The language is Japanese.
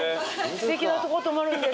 すてきなとこ泊まる。